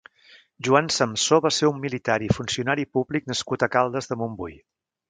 Joan Samsó va ser un militar i funcionari públic nascut a Caldes de Montbui.